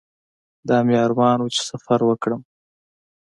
دا مې ارمان و چې سفر وکړم.